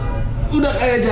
yang tidak bisa dilakukan